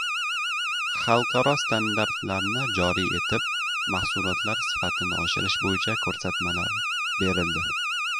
Xalqaro standartlarni joriy etib, mahsulotlar sifatini oshirish bo‘yicha ko‘rsatmalar berildi